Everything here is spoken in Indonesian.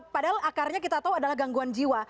padahal akarnya kita tahu adalah gangguan jiwa